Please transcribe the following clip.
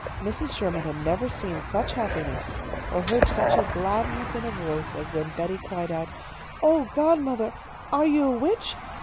Mrs. Sherman had never seen such happiness, or heard such a gladness in a voice as when Betty cried out, "Oh, godmother! Are you a witch?